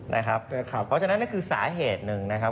เพราะฉะนั้นนั่นคือสาเหตุหนึ่งนะครับ